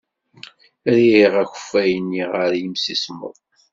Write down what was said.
Rriɣ akeffay-nni ɣer yimsismeḍ.